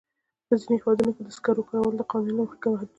په ځینو هېوادونو کې د سکرو کارول د قوانینو له مخې محدود شوي.